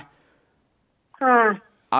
ค่ะ